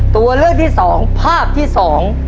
ตัวเลือกที่สองภาพที่สอง